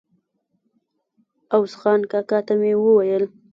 عوض خان کاکا ته مې وویل.